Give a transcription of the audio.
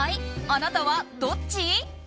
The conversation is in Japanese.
あなたはどっち？